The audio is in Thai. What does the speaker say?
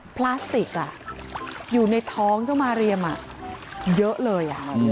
พลาสติกอยู่ในท้องเจ้ามาเรียมเยอะเลย